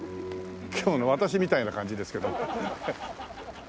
今日の私みたいな感じですけど。